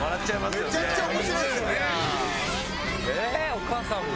お母さんも。